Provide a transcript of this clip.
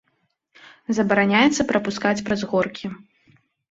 Забараняецца прапускаць праз горкі.